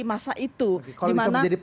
masa itu kalau bisa menjadi